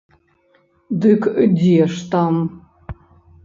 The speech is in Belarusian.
Дык дзе ж там!